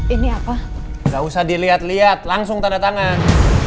ini apa nggak usah dilihat lihat langsung tanda tangan